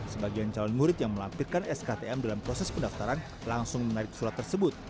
sebagian calon murid yang melampirkan sktm dalam proses pendaftaran langsung menarik surat tersebut